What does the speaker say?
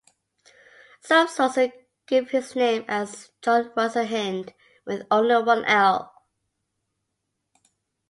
Some sources give his name as John Russel Hind with only one "L".